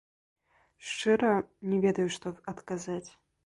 Шчыра, не ведаю, што адказаць.